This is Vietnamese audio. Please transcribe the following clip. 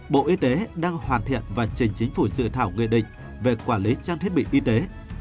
bộ y tế đang hoàn thiện và trình chính phủ dự thảo nghị định về quản lý trang thiết bị y tế